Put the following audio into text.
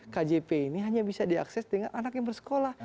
kjp ini hanya bisa diakses dengan anak yang bersekolah